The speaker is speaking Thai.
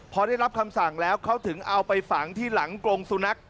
พอได้รับคำสั่งแล้วเขาถึงเอาไปฝังที่หลังกรงสุนัข